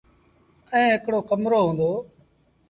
ائيٚݩ هڪڙو ڪمرو هُݩدو ۔